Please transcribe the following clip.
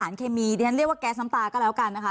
เคมีดิฉันเรียกว่าแก๊สน้ำตาก็แล้วกันนะคะ